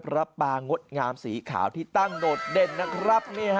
พระปางดงามสีขาวที่ตั้งโดดเด่นนะครับ